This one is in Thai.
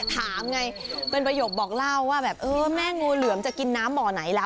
ถามไงเป็นประโยคบอกเล่าว่าแบบเออแม่งูเหลือมจะกินน้ำบ่อไหนล่ะ